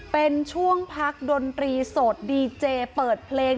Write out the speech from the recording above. เป็นช่วงพักดนตรีโสดดีเจเปิดเพลง